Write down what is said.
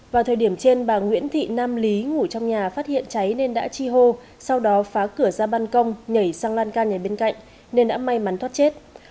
vào thời điểm trên bà nguyễn thị nam lý ngủ trong nhà phát hiện cháy nên đã chi hô sau đó phá cửa ra ban công nhảy sang lan can nhà bên cạnh nên đã may mắn thoát chết